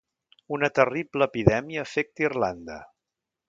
Una terrible epidèmia afecta Irlanda.